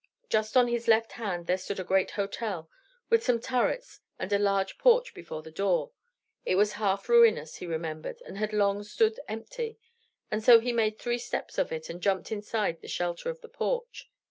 Just on his left hand there stood a great hotel, with some turrets and a large porch before the door; it was half ruinous, he remembered, and had long stood empty; and so he made three steps of it and jumped inside the shelter of the porch.